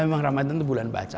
ya memang ramadan tuh bulan baca